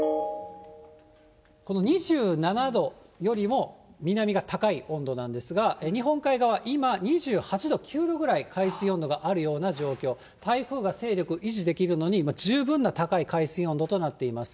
この２７度よりも南が高い温度なんですが、日本海側、今、２８度、９度ぐらい海水温度があるような状況、台風が勢力維持できるのに十分な高い海水温度となっています。